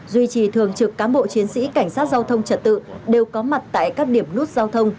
duy trì thường trực cán bộ chiến sĩ cảnh sát giao thông trật tự đều có mặt tại các điểm nút giao thông